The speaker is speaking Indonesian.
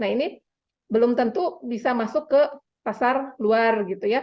ini belum tentu bisa masuk ke pasar luar